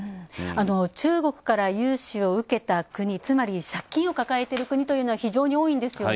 中国から融資を受けた国、つまり借金を抱えている国というのは非常に多いんですよね。